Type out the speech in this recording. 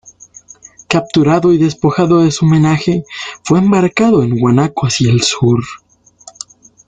Capturado y despojado de su menaje, fue embarcado en Huanchaco hacia el sur.